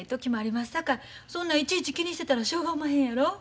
さかいそんないちいち気にしてたらしょうがおまへんやろ。